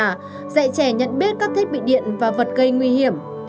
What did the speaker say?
giảng dạy trẻ nhận biết các thiết bị điện và vật gây nguy hiểm